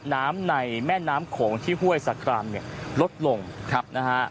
น้ำในแม่น้ำโขงที่ห้วยสะครามเนี่ยลดลงครับนะฮะ